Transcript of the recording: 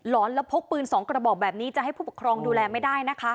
แล้วพกปืน๒กระบอกแบบนี้จะให้ผู้ปกครองดูแลไม่ได้นะคะ